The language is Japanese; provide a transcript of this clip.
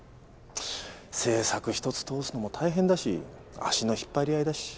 政策１つ通すのも大変だし足の引っ張り合いだし。